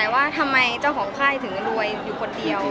ว่าทำไมเจ้าของค่ายถึงรวยอยู่คนเดียว